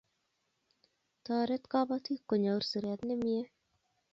Toret kapatik kunyor siret nemie